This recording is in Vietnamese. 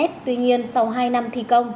tuy nhiên sau hai năm thi công